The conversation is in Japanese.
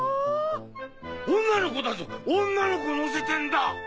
女の子だぞ女の子乗せてんだ。